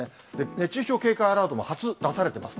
熱中症警戒アラートも初出されてます。